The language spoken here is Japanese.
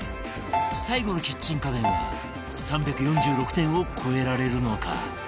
最後のキッチン家電は３４６点を超えられるのか？